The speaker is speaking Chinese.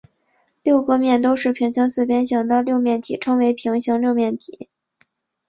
六个面都是平行四边形的六面体称为平行六面体。